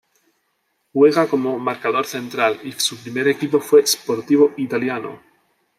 Juega como marcador central y su primer equipo fue Sportivo Italiano.